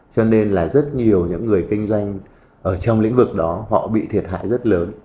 cho nên là rất nhiều những người kinh doanh ở trong lĩnh vực đó họ bị thiệt hại rất lớn